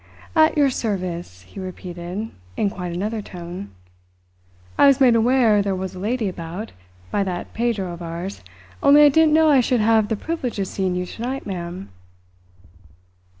"At your service," he repeated, in quite another tone. "I was made aware there was a lady about, by that Pedro of ours; only I didn't know I should have the privilege of seeing you tonight, ma'am."